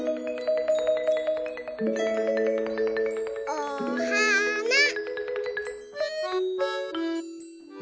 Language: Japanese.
おはな。